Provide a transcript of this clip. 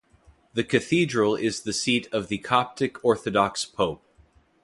The cathedral is the Seat of the Coptic Orthodox Pope.